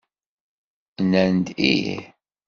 Nnan-d ih.